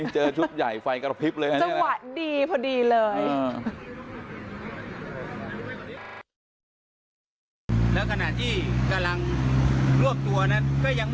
สวัสดีพอดีเลย